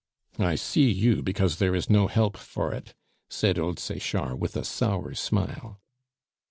"I see you because there is no help for it," said old Sechard with a sour smile.